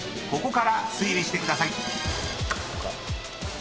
［ここから推理してください］